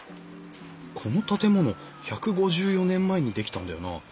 この建物１５４年前に出来たんだよな。